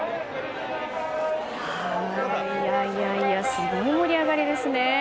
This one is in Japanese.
すごい盛り上がりですね。